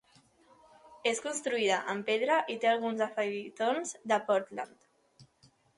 És construïda en pedra i té alguns afegitons de pòrtland.